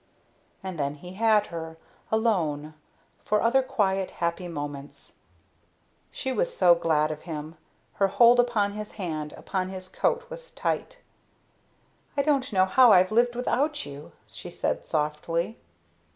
And then he had her, alone, for other quiet, happy moments. She was so glad of him. Her hold upon his hand, upon his coat, was tight. "I don't know how I've lived without you," she said softly.